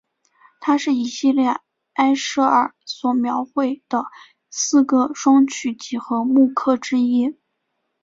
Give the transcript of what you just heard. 它是一系列埃舍尔所描绘的四个双曲几何木刻之一。